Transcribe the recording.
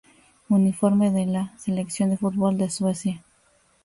Uniforme de la selección de fútbol de Suecia